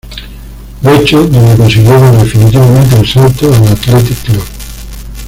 Guecho, donde consiguió dar definitivamente el salto al Athletic Club.